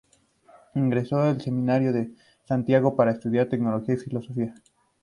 Ingresó al Seminario de Santiago para estudiar Teología y Filosofía.